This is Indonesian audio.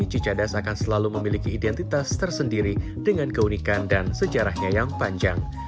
cicadas akan selalu memiliki identitas tersendiri dengan keunikan dan sejarahnya yang panjang